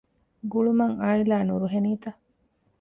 ގުޅުމަށް އާއިލާ ނުރުހެނީތަ؟